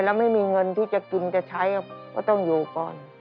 แล้วไม่มีเงินที่จะกินจะใช้ก็ต้องอยู่ก่อน